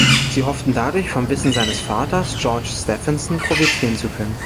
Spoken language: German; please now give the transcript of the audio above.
Sie hofften, dadurch vom Wissen seines Vaters George Stephenson profitieren zu können.